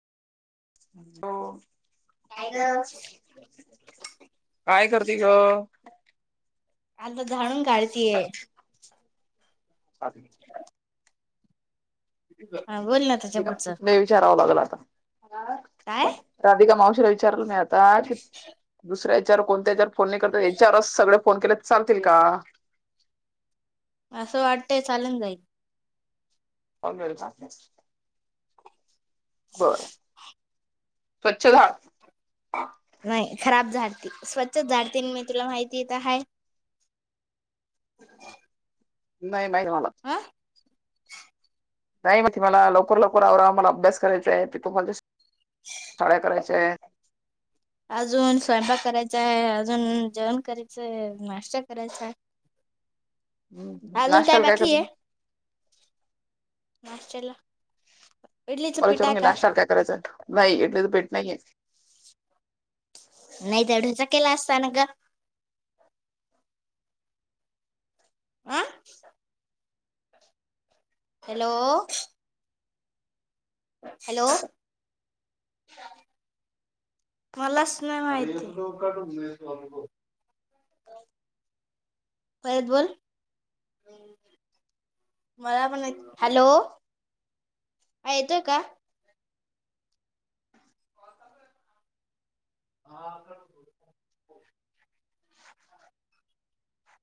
हो काय ग, करते ग? आता झाडून काढतीये. [inaudible] हा बोल ना त्याच्या पुढच. विचाराव लागल आता. काय राधिका मावशीला विचारलं मी आता, आशीच दुसऱ्याच्याार कोणत्याच्यावर फोन नाही करत याच्यावरस सगळे फोन केल्या चालतील का? असं वाटतय चालून जाईल होल बर चालयच बर स्वच्छ झाड नाही खराब झाडती. स्वच्छ झाडती मी तुला माहिती येत आहे नाही माही मला आं नाही म त मला लवकर लवकर आवरा मला अभ्यास करायचाय तिथ माझ्या शाळ्या करायचय अजून स्वयंपा करायचा आहे. अजून जेवण करायचं आहे नाश्ता करायचा आहे. हम्म नाष्ट्ाल काय कच मागच्याला पहले इचरुन घे नाशत्याला काय करायच ना नाही इडलीच पिट नाही ये नाही तेढचा केला असता ना ग आं हॅलो हॅलो मलाच नाही माहिती परत बोल मला पण हॅलो यतोय का? हा का